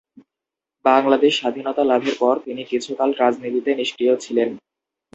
বাংলাদেশ স্বাধীনতা লাভের পর তিনি কিছুকাল রাজনীতিতে নিষ্ক্রিয় ছিলেন।